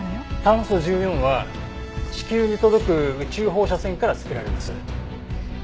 炭素１４は地球に届く宇宙放射線から作られます。